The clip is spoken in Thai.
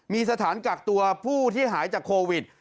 มีสถานกักตัวผู้ที่หายจากโควิด